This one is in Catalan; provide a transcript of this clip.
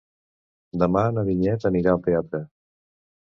Demà na Vinyet anirà al teatre.